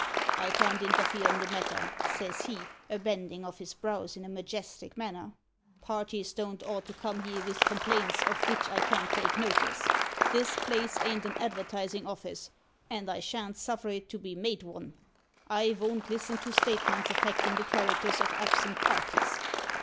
'I can't interfere in the matter,' says he, a bendin' of his brows in a majestic manner. 'Parties don't ought to come here vith complaints of vhich I can't take notice. This place ain't an advertisin' office, and I sha'n't suffer it to be made von. I von't listen to statements affectin' the characters of absent parties.'